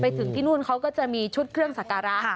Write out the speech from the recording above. ถึงที่นู่นเขาก็จะมีชุดเครื่องสักการะ